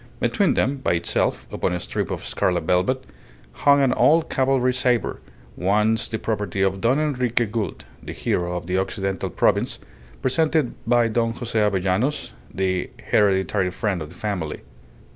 Between them, by itself, upon a strip of scarlet velvet, hung an old cavalry sabre, once the property of Don Enrique Gould, the hero of the Occidental Province, presented by Don Jose Avellanos, the hereditary friend of the family.